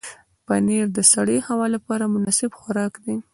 پنېر د سړې هوا لپاره مناسب خوراک دی.